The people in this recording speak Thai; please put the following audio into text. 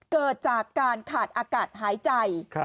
เกิดจากการขาดอากาศหายใจ